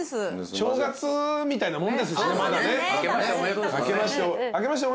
正月みたいなもんですしね。